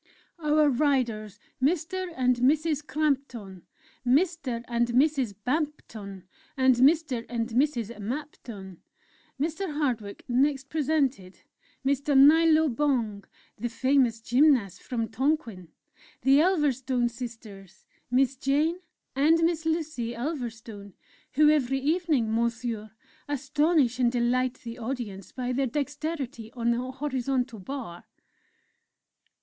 "Our Riders, Mr. and Mrs. Crampton, Mr. and Mrs. Bampton, and Mr. and Mrs. Mapton." Mr. Hardwick next presented: "Mr. Nilo Bong, the famous Gymnast from Tonquin the Ulverstone Sisters, Miss Jane and Miss Lucy Ulverstone, who every evening, Monsieur, astonish and delight the audience by their dexterity on the Horizontal Bar.